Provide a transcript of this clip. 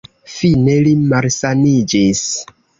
Fine, li malsaniĝis.